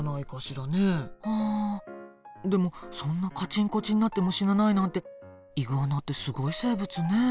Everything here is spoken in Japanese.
でもそんなカチンコチンになっても死なないなんてイグアナってすごい生物ねえ。